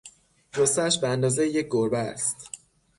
جثهاش به اندازه یک گربه است.